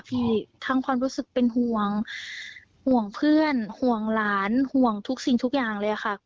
ทั้งความรู้สึกเป็นห่วงห่วงเพื่อนห่วงหลานห่วงทุกสิ่งทุกอย่างเลยค่ะ